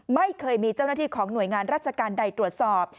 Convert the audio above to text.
ไม่เคยมีเจ้าหน้าที่ของหน่วยงานราชการใดตรวจสอบ